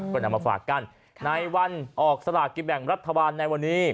ก็จะเอามาฝากกันในวันออกสลากแบ่งรัฐทาวัณในวันนี้